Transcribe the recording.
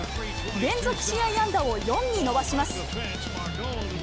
連続試合安打を４に伸ばします。